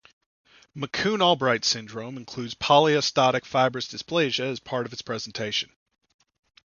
McCune-Albright syndrome includes polyostotic fibrous dysplasia as part of its presentation.